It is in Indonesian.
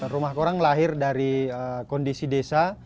rumah koran lahir dari kondisi desa